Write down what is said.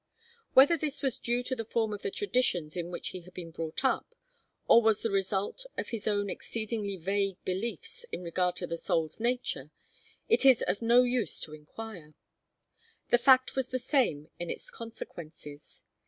Whether this was due to the form of the traditions in which he had been brought up, or was the result of his own exceedingly vague beliefs in regard to the soul's nature, it is of no use to enquire. The fact was the same in its consequences.